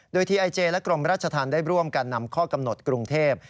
โดยทีไอเจและกรมราชธรรมได้ร่วมกันนำข้อกำหนดกรุงเทพ